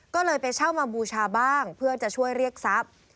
ก็เลยไปเช่ามาบูชาบ้างเพื่อจะช่วยเรียกทรัพย์